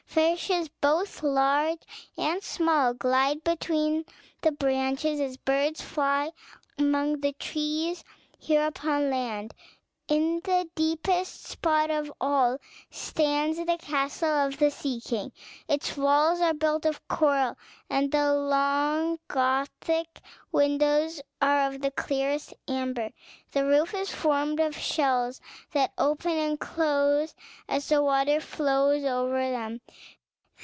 Fishes, both large and small, glide between the branches, as birds fly among the trees here upon land. In the deepest spot of all, stands the castle of the Sea King. Its walls are built of coral, and the long, gothic windows are of the clearest amber. The roof is formed of shells, that open and close as the water flows over them.